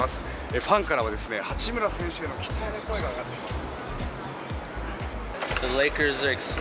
ファンからは、八村選手への期待の声が上がっています。